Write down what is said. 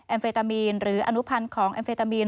เฟตามีนหรืออนุพันธ์ของแอมเฟตามีน